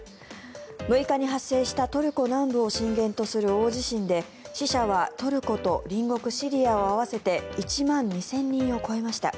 ６日に発生したトルコ南部を震源とする大地震で死者はトルコと隣国シリアを合わせて１万２０００人を超えました。